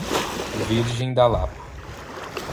Virgem da Lapa